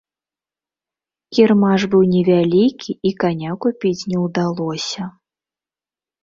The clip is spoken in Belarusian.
Кірмаш быў невялікі, і каня купіць не ўдалося.